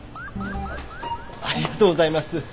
ありがとうございます。